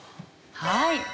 はい。